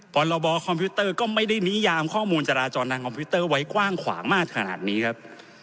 พรบคอมพิวเตอร์ก็ไม่ได้นิยามข้อมูลจราจรทางคอมพิวเตอร์ไว้กว้างขวางมากขนาดนี้ครับ